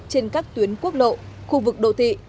trên các tuyến quốc lộ khu vực đồ thị